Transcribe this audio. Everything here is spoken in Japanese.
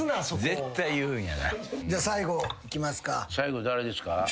じゃあ最後いきますか。